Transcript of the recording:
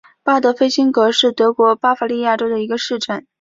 巴德菲辛格是德国巴伐利亚州的一个市镇。